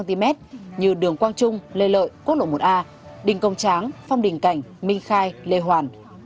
từ một mươi cm như đường quang trung lê lợi quốc lộ một a đình công tráng phong đình cảnh minh khai lê hoàn